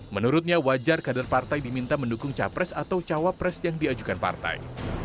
menurutnya wajar kader partai diminta mendukung capres atau cawapres yang diajukan partai